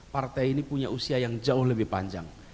partai ini punya usia yang jauh lebih panjang